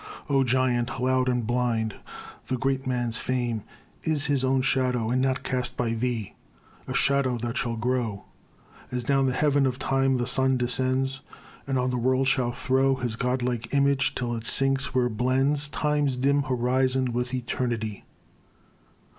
O Giant loud and blind! the great man's fame Is his own shadow and not cast by thee A shadow that shall grow As down the heaven of time the sun descends, And on the world shall throw His god like image, till it sinks where blends Time's dim horizon with Eternity.